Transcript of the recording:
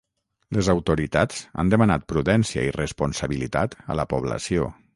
Les autoritats han demanat prudència i responsabilitat a la població.